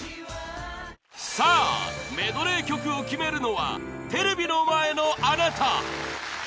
さあ、メドレー曲を決めるのはテレビの前のあなた！